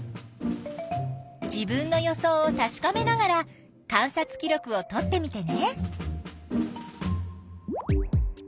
自分の予想をたしかめながら観察記録をとってみてね！